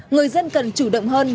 người dân cần chủ động hơn